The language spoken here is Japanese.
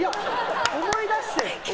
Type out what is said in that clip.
思い出して。